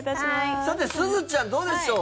さて、すずちゃんどうでしょう。